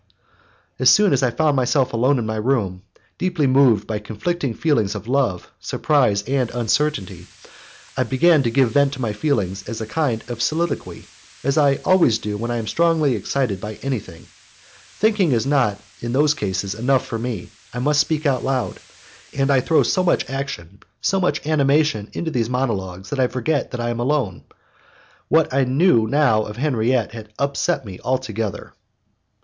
As soon as I found myself alone in my room, deeply moved by conflicting feelings of love, surprise, and uncertainty, I began to give vent to my feelings in a kind of soliloquy, as I always do when I am strongly excited by anything; thinking is not, in those cases, enough for me; I must speak aloud, and I throw so much action, so much animation into these monologues that I forget I am alone. What I knew now of Henriette had upset me altogether.